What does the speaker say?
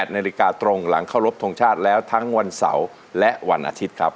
นาฬิกาตรงหลังเข้ารบทรงชาติแล้วทั้งวันเสาร์และวันอาทิตย์ครับ